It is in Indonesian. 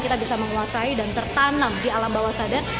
kita bisa menguasai dan tertanam di alam bawah sadar